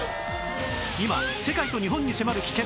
今世界と日本に迫る危険！